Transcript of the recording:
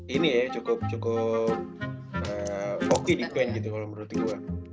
ini ya cukup cukup oke di plan gitu kalau menurut gue